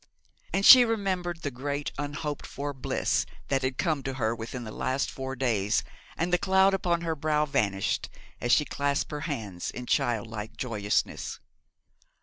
And she remembered the great unhoped for bliss that had come to her within the last four days, and the cloud upon her brow vanished, as she clasped her hands in child like joyousness.